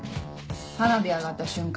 花火上がった瞬間